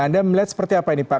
anda melihat seperti apa ini pak